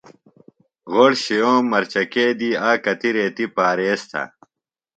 غوۡڑ شِیوم مرچکئی دی آ کتیۡ ریتیۡ پاریز تھہ۔